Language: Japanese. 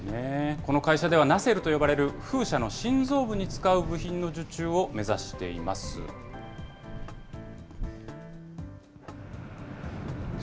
この会社ではナセルと呼ばれる風車の心臓部に使う部品の受注を目指しています。